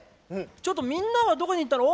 ちょっとみんなはどこに行ったの？